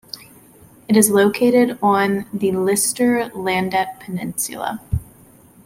It is located on the Listerlandet peninsula.